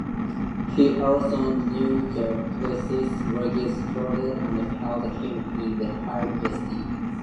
He also knew the priest Luigi Sturzo and held him in high esteem.